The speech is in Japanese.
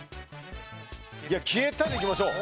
消えたでいきましょう。